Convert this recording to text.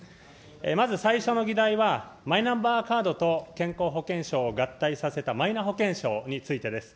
まず最初の議題はマイナンバーカードと健康保険証を合体させたマイナ保険証についてです。